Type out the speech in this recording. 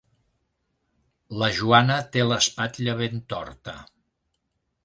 La Joana té l'espatlla ben torta.